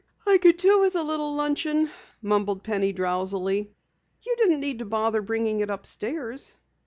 "I could do with a little luncheon," mumbled Penny drowsily. "You didn't need to bother bringing it upstairs."